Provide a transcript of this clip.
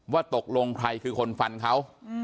ว่าตกลงใครคือคนฟันเขา